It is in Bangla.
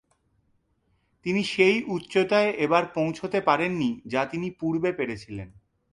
তিনি সেই উচ্চতায় এবার পৌছতে পারেননি যা তিনি পুর্বে পেরেছিলেন।